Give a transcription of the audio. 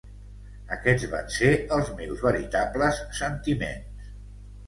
Aquests van ser els meus veritables sentiments.